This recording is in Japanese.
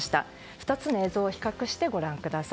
２つの映像を比較してご覧ください。